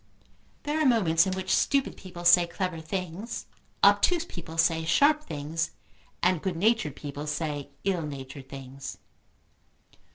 There are moments in which stupid people say clever things, obtuse people say sharp things, and good natured people say ill natured things.